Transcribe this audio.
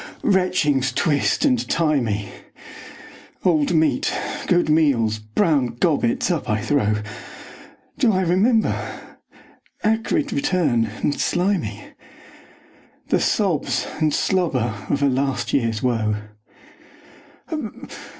Retchings twist and tie me, Old meat, good meals, brown gobbets, up I throw. Do I remember? Acrid return and slimy, The sobs and slobber of a last years woe.